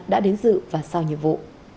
đã đến dự và sau nhiệm vụ